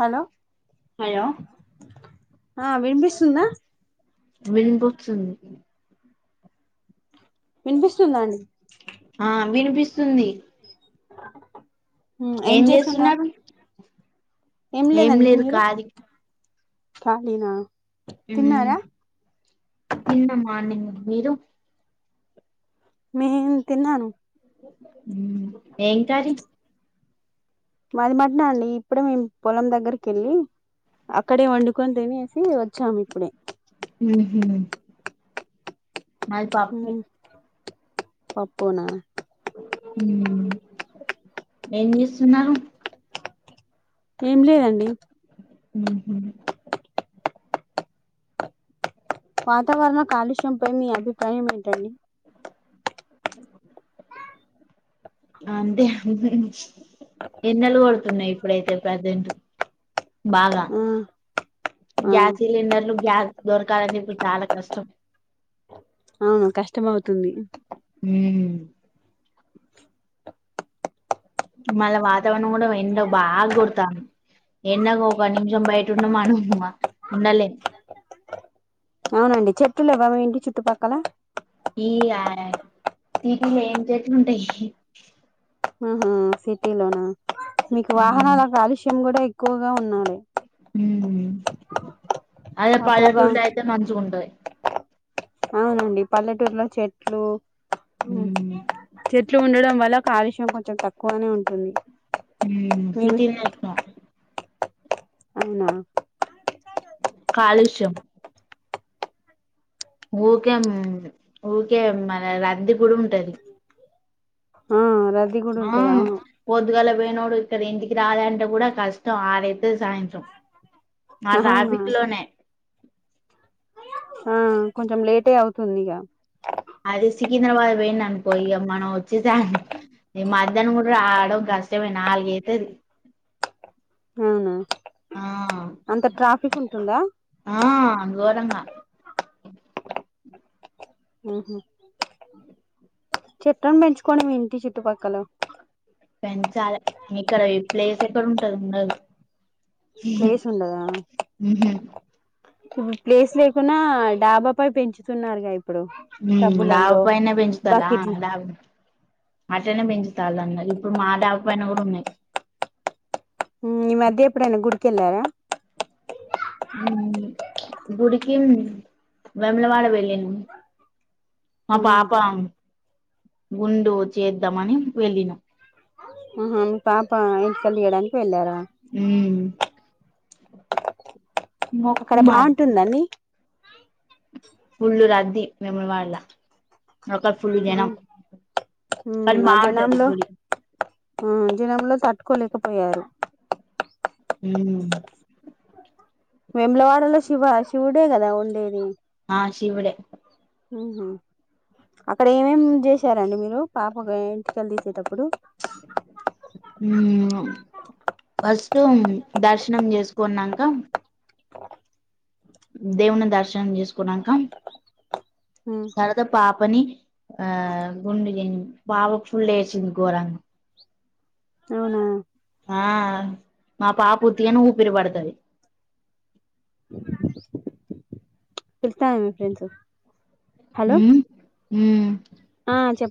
Hello hello ఆ వినిపిస్తుంద వినిపిస్తుంది వినిపిస్తుందా అండి ఆ వినిపిస్తుంది ఏం చేస్తున్నారు ఏం లేదు ఖాళీ ఖాలీనా తిన్నారా తిన్నా మార్నింగ్ మీరు నేన్ తిన్నాను మ్ ఏం కారి మాది మటనే అండి ఇప్పుడే మేము పొలం దగ్గరిక వెళ్ళి అక్కడే వండి కొని తినేసి వచ్చాం ఇప్పుడే మ్మ్ హ్మ్ మాది పప్పు పప్పునా ఉమ్ ఏం చేస్తున్నారు ఏం లేదండి ఉహు వాతావరణ కాలుష్యం పై మీ అభిప్రాయం ఏంటండి అంతే ఎండలు కొడు న్నాయి ఇప్పుడైతే ప్రసెంట్ బాగా ఆ ఆ గ్యాస్ సిలిండర్లు గ్యాస్ దొరకాలంటె ఇప్పుడు చాలా కష్టం అవును కష్టం అవుతుంది ఉమ్ మళ్ళ వాతావరణం కూడా ఎండ బాగొడతంది ఎండకు ఒక నిమిషం బయటన్న మనం ఉండలేము అవునండి చెట్లు లెవ్వ మీ ఇంటి చుట్టుపక్కల ఈ ఆ సిటీలో ఏం చెట్లుంటాయి ఆహా సిటీ లోనా మీకు ఉమ్ వాహనాల కాలుష్యం కూడా ఎక్కువగా ఉన్నాలె ఉమ్ అదే ఆ పొగ పల్లెటూరులయితే మంచిగుంటది అవునండి పల్లెటూరులో చెట్లు ఉమ్ చెట్లు ఉండడం వల్ల కాలుష్యం కొంచం తక్కు తక్కువనే ఉంటుంది ఉమ్ మీము సిటీలో ఎక్కువ అవనా కాలుష్యం ఊకే ఊకే మళ రద్దీ కూడా ఉంటది ఆ రద్దీ కూడా ఆ ఉంటది అవును పొద్గల బోయ్నోడు డ ఇంటికి రాలంట కూడా కష్టం ఆరైత్తే సాయంత్రం మా అవునా రాబిట్ లోనే ఆ కొంచెం లేటే అవుతు తందిగా అది సికింద్రాబాద్ పోయిన్ననుకో ఇక మనం వచ్చేసి మధ్యాహ్నం కూడా రావడం కష్టమే నల్గైతది అవునా ఆ అంత ట్రాఫిక్ ఉంటుందా ఆ గోరంగా ఆహ చెట్లను పెంచుకోండి మీ ఇంటి చుట్టుపక్కల పెంచాలే ఇక్కడ ఈ ప్లేస్ ఎక్కడ ఉంటది ఉండది ప్లేస్ ఉండదా ఉహు ఇప్పుడు ప్లేస్ లేకున్నా డాబా పై పెంచుతున్నారు గా ఇప్ ఉమ్ డావపైనే పెంచుతాలా బకెట్ల ద అ అంటనే పెంచుతాలన్నా ఇప్పుడు మా డావ పైన కూడా ఉన్నాయి ఉమ్ ఈ మధ్య ఎప్పుడైన గుడికేళ్ళారా ఉమ్ గుడికి వెమలవాడ వెళ్ళినం మా ఉమ్ పాప గుండు చేద్దామని వెళ్ళినం ఆహా పాప ఇంటి కాడ లేదా వెళ్లార ఉమ్ అక్కడ మొక్కు మాది బాగుంటుందని ఫుల్ రద్ది మేము వాడల అక్కడ ఆ కానీ ఉమ్ ఆ బాగుంటది జనంలో గుడి ఆ జనంలో తట్టుకోలేకపోయారు ఉమ్ వెములవాడలో శివ శివుడే కదా ఉండేది ఆ శివుడె ఉంహు అక్కడ ఏమేమి చేసారండి మీరు పాపకి ఎంటుకలు తీసేటప్పుడు ఉమ్ ఫస్ట్ దర్శనం చేసుకున్నంక దేవుని దర్శనం చేసుకున్నంక ఉమ్ తర్వాత పాపని ఆ గుండు గని బాబ్కు ఫుల్ వేసింది గోరంగ అవునా ఆ మా పాప ఉత్తిగాన్ ఊపిరి పడుతది తెస్తా మీ ఫ్రెండ్స్ హలో ఉమ్ ఉమ్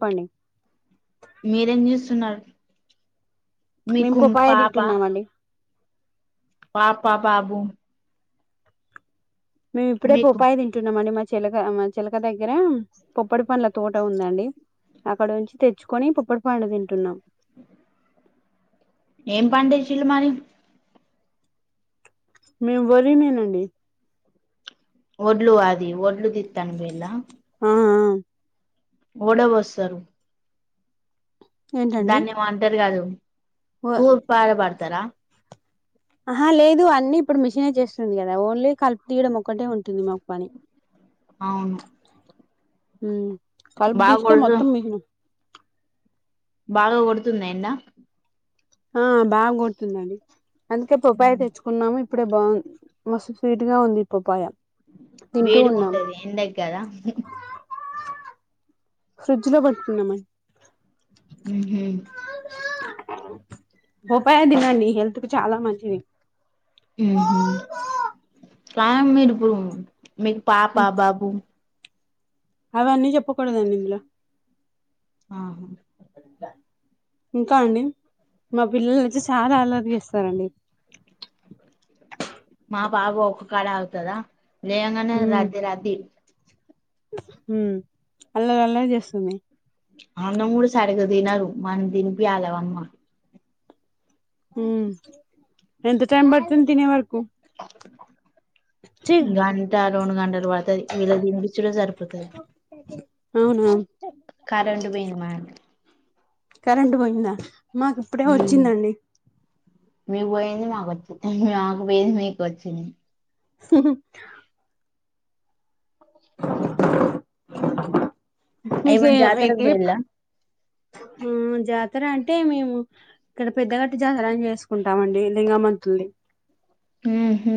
పండి మీరేం చేస్తున్నారు మేము మీకు పాపయ తింటున్నాం అండి పాపా బాబు మేము ఇప్పుడే మీకు పాపయ తింటన్నామండి మ చిలక మా చిలక దగ్గర పొప్పడి పండ్ల తోట ఉందండి అక్కడ ఉంచి తెచ్చుకొని పొప్పడి పండ్ తింటున్నాం ఏం పండించులు మరి మేము వరి నేనండి ఒడ్లు అ ఒడ్లుది తిత్తనికి పోయిందా ఆ ఆ ఓడ వోస్తారు ఏంటండి దాన్ని ఏమో అంటారు కాదు ఓ తూర్ పార బడతారా ఆహా లేదు అన్ని ఇప్పుడు మిషనే చేస్తుంది కదా ఓన్లీ కల్పు తీయడం ఒక్కటే ఉంటుంది మాకు పని అవును ఉ కలుపు బాగా తీస్తే కొడుతు మొత్తం మిషను బాగా కొడుతుంద ఎండ ఆ బాగా కొడుతుందండి అందుకే పప్పాయ ఉమ్. తెచ్చుకున్నాము ఇప్పుడే బాగు మస్తు స్వీట్ గా ఉంది పప్పయ వేడి ఉంటది ఎండకు కదా ఫ్రిడ్జ్ లో పెట్టుకున్నామ ఉహు బోపాయి తినండి హెల్త్ కు చాలా మంచిది ఉహు కాదు మీరిప్పుడు మీకు పాప, బాబు అవన్నీ చెప్పకూడదండి ఇందులో ఆహా ఇంకా అండి మా పిల్లల వచ్చి చానా అల్లరి చేస్తారండి మా బాబు ఒక కాడ ఆగుతడ లేంగానే రద్దీ రద్దీ ఉ అల్లరీ అల్లరీ చేస్తుంది అన్నం కూడా సరిగా తినరు మన తినిపియాలవమ్మా ఉ ఎంత టైమ్ పడుతుంది తినే వరకు చి గంట రెండు గంటలు పడతది వీళ్ళకి తినిపిచ్చుడే సరిపోతది అవునా కరెంట్ పోయింది మా కరెంట్ పోయిందా మాకు ఇప్పుడే ఉమ్ వచ్చిందండి. మీకు వోయ్యింది మాకొచ్చింది. మాకు వోయ్యింది మీకు వచ్చింది. స మీకే ఏమన్నా జాతరకు మీకి పోయిల్లా హ్ జాతర అంటే మేము ఇక్కడ పెద్దగట్టి జాతర అనిచేసు కుంటామండి లింగమంతుల్ని. హ్ హు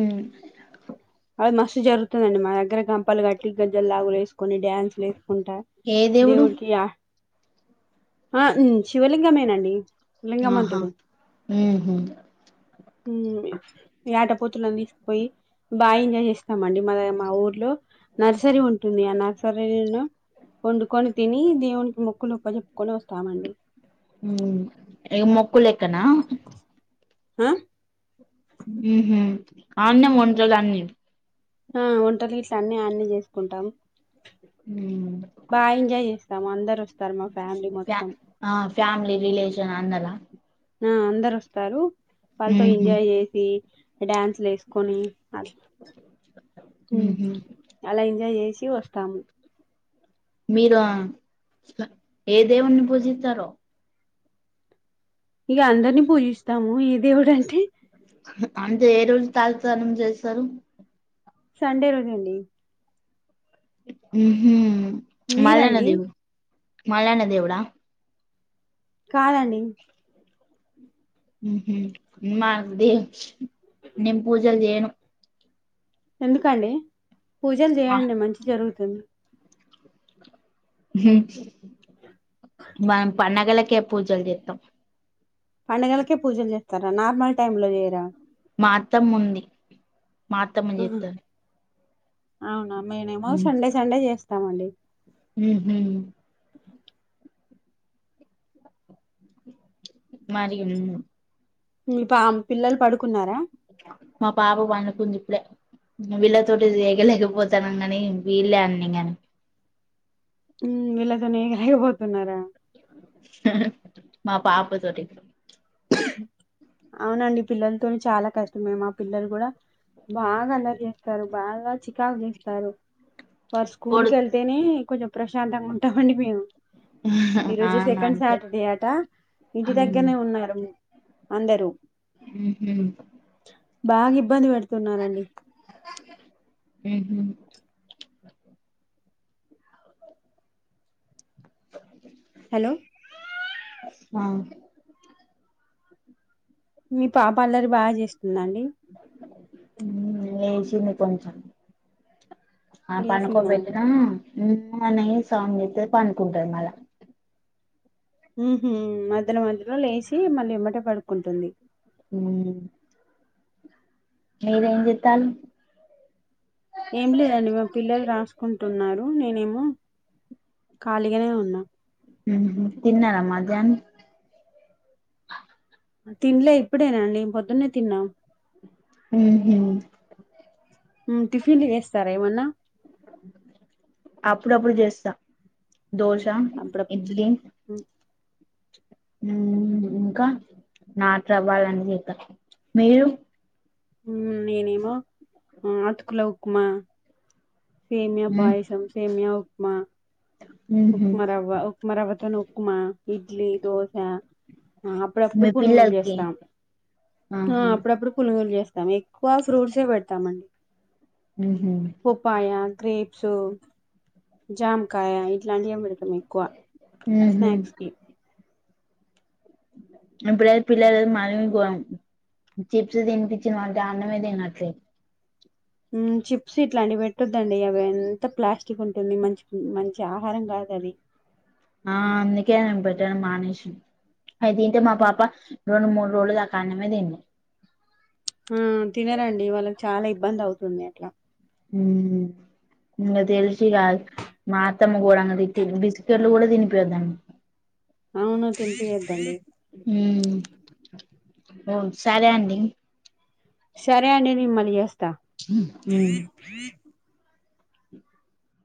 అవున్ [unintelligible] జరుగుతదండి మా దగ్గర గంపలు గట్టి గజ్జలు లాగులు ఏశి కొన్ని డ్యాన్స్లు ఎస్ కుంట ఏ దేవుడు దేవుడికి ఆహ ఆ శివలింగమేనండి. ఆహా లింగమంతుడు హుహ్ హ్ యాటపోతులను తీసుకుపోయి బాఎంజాయ్ చేస్ స్తామండి. మా మా ఊర్లో నర్సరీ ఉంటుంది. ఆ నర్సరీలో వండుకొని తిని, దేవునికి మొక్కులు అప్ప చెప్పుకొని వస్తామండి. ఉమ్. ఇగ మో కులెక్కనా. ఆ హుహ్ ఆన్నే వంటలన్నీ ఆ వంటలు గిట్లా అన్నీ అన్నే చేసుకుంటం. ఉ బాగా ఎంజాయ్ చేస్తాము అందరు వస్తారు మా ఫ్యామిలీ ఫ్యా మొత్తం ఆ ఫ్యామిలీ రిలేషన్ అన్నలా ఆ అందరు వస్తారు. వాళ్ళతో ఎంజాయ్ చేసి డ్యాన్స్లు ఎసుకొని అట్లా హ్ ఉహు అలా ఎంజాయ్ చేస్ చివస్ తాము. మీరు ఏ దేవున్ని పూజిస్తరో ఇగ అందరినీ పూజిస్తాము ఏ దేవుడు అంటే అంటే ఏ రోజు తలస్నానం చేస్తరు. సండే రోజు అండి. హుహ్ మల్లన్న మీరండి దేవుడు. మల్లన్న దేవుడా కాలనీ మ్ మహాదేవ్ నేను పూజలు చేయను ఎందుకండీ పూజలు చేయండి మంచి జరుగు కన్ను హ్మ్మ్ మనం పండగలకే పూజలు చేత్తం పండగలకే పూజలు చేత్తారా నార్మల్ టైమ్ లో చేయరా. మా అత్తమ్ముంది. మా అత్తమ్మని జేత్తారు. ఔన్ మండేనేమో సండే సండే చేస్తాం తామండి మ్ హు మరీ మ్ పామ్ పిల్లలు పడుకున్నారా మా పాప పండుకుంది ఇప్పుడే విళ నీతోటి వేగలేకపోతాన్నం గానీ తు వీల అన్నంగను [unintelligible] ఊ ఇలాగని అగపోతున్నారా. మా పాప తోటి అవునండి పిల్లలతోని చాలా కష్టం మేము ఆ పిల్లలు కూడా బాగా అల్లరి చేస్తారు బాగా చికాకు చేస్తారు వారు కొడు స్స్కూలుకి వెళ్తేనే కొంచెం బిజీ ప్రశాంతంగా ఉంటామండి మేము ప్ర ఈ రోజు అవును సెకండ్ అంతే సాటర్డే అట ఇంటి దగ్గరనే ఉహు ఉన్నారు అందరూ బాగా ఇబ్బంది పెడుతున్నారండి హ్మహు [inaudible] హలో ఆ మీ పాపా అల్లరి బాగా చేస్తూ [unintelligible] చిన్న పంచ ఆ లేసిందా పనుకోబెట్టిన ఆ ఆ హ్మ్ అని సౌండ్ చేత్తే పడుకుంటది మళ్ళా ఉహు మధ్యలో మధ్యలో లేచి మళ్ళీ ఇమ్మటే పడుకుంటుంది హ్మ్ మీరు ఏం చేత్తారు ఏం లేదండి మా పిల్లలు రాసుకుంటున్నారు నేనేమో ఖాళీగానే ఉన్నా. హ్మ్ తిన్నార మధ్యాహ్నం తింలే ఇప్పుడేనాండి పొద్దున్నే తిన్నాం హ హ టిఫిన్లు చేస్తారా ఏమన్నా అప్పుడు అప్పుడు చేస్తా దోశ అప్పుడ ఇడ్లీ మ్, ఇంకా నాట్ రావవ్వాలని చేత మీరు ననేమో అటుకుల ఉప్మా సేమయా ఉమ్ పయసం సేమయా మా ఉహు ఉప్మా రవ్వ ఉప్మ రవ్వతోని ఉప్మా ఇడ్లీ దోశ అప్పుడప్పుడు మీ పునుగులు పిల్లలకి చేస్తాం ఆ ఆహా అప్పుడప్పుడు పునుగులు చేస్తాం ఎక్కువ ఫ్రూట్సే పెట్ట తమండి ఉహు పపాయా గ్రేప్ సో జంప్ కాయ ఇట్లాంటి ఏం పెడతాం ఎక్కువ ఉహు స్నాక్స్ కి ఇప్పుడు పిల్లలు మనీ చిప్స్ తినిపించిన వాంటే అన్నమే తినట్లేదు చిప్స్ ఇట్లా అంటివి పెట్టొద్దండి అవి ఎంత ప్లాస్టిక్ ఉంటుంది మంచి మంచి ఆహారం కాదు అది ఆ అందుకే పెట్టను మానేేసిన అయి తింటే మా పాప రెండు మూడు రోజులదాకా అన్నమే తినదు ఆ తినరండి వాళ్ళకి చాలా ఇబ్బంది అవుతుంది అట్లా ఇంకా తెలిసి కాదు మాత్తమ్మ కూడాడంగా తిట్టి బిస్కెట్లు కూడా తినిపోయాడు అవును తినిపియదండి ఉమ్ ఓ సరే అండి సరే అండి నేను మళ్ళీ చేస్తా ఉమ్ తా